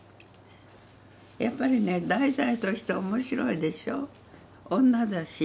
やっぱりね題材として面白いでしょ。